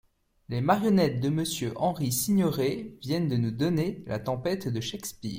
Les marionnettes de Monsieur Henri Signoret viennent de nous donner la Tempête de Shakespeare.